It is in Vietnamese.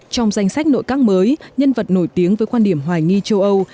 trong danh sách nội các mới nhân vật nổi tiếng với quan điểm hoài nghi châu âu